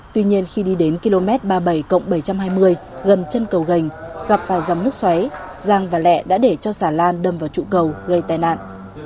tuy nhiên khi đi đến km ba mươi bảy bảy trăm hai mươi gần chân cầu gành gặp vào dòng nước xoáy giang và lẹ đã để cho xà lan đâm vào trụ cầu gây tai nạn